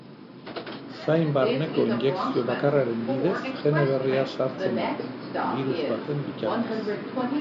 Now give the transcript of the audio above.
Zain barneko injekzio bakarraren bidez gene berria sartzen dute, birus baten bitartez.